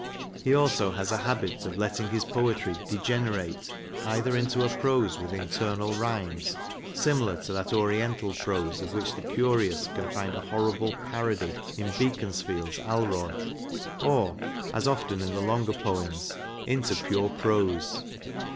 He also has a habit of letting his poetry " degenerate " either into a prose with internal rhymes, similar to that Oriental prose of which the curious can find a horrible parody in Beacons field's " Alroy," or (as often in the longer poems) into pure prose.